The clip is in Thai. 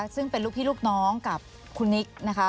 ซึ่งเป็นลูกพี่ลูกน้องกับคุณนิกนะคะ